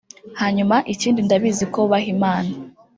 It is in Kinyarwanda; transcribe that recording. hanyuma ikindi ndabizi ko bubaha Imana